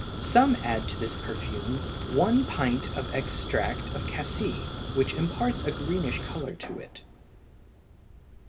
Some add to this perfume 1 pint of extract of cassie which imparts a greenish color to it.